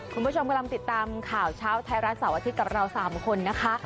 คุณผู้ชมกำลังติดตามข่าวเช้าไทยรัฐเสาร์อาทิตย์กับเรา๓คนนะคะ